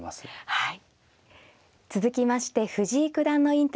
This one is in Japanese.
はい。